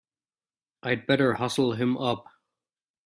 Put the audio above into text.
I'd better hustle him up!